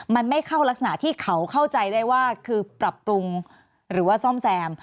มันไม่เข้ารักษณะที่เขาเข้าใจได้ว่าคือปรับปรุงหรือว่าซ่อมแซม